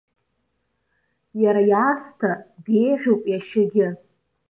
Иара иаасҭа деиӷьуп иашьагьы.